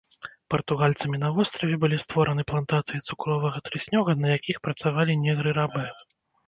Партугальцамі на востраве былі створаны плантацыі цукровага трыснёга, на якіх працавалі негры-рабы.